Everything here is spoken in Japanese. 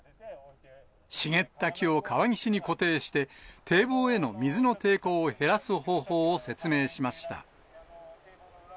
茂った木を川岸に固定して、堤防への水の抵抗を減らす方法を説明しました。